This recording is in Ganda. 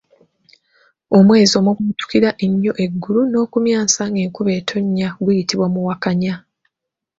Omwezi omubwatukira ennyo eggulu n’okumyansa ng’enkuba etonnya guyitibwa Muwakanya.